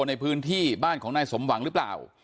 ในพื้นที่บ้านของนายสมหวังหรือเปล่า